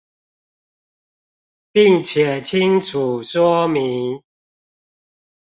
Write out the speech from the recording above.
並且清楚說明